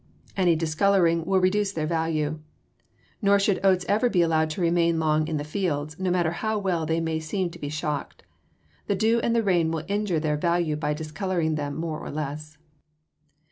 Any discoloring will reduce their value. Nor should oats ever be allowed to remain long in the fields, no matter how well they may seem to be shocked. The dew and the rain will injure their value by discoloring them more or less.